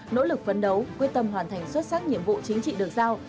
nỗ lực phấn đấu quyết tâm hoàn thành xuất sắc nhiệm vụ chính trị được giao